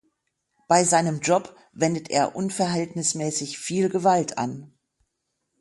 Bei seinem Job wendet er unverhältnismäßig viel Gewalt an.